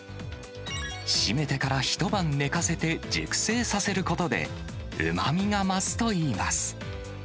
締めてから一晩寝かせて熟成させることで、うまみが増すといいます。